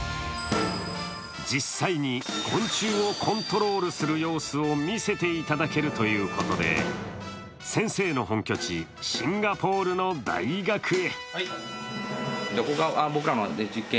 実際に昆虫をコントロールする様子を見せていただけるということで先生の本拠地、シンガポールの大学へ。